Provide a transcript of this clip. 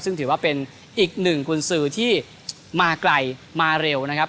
ซึ่งถือว่าเป็นอีกหนึ่งกุญสือที่มาไกลมาเร็วนะครับ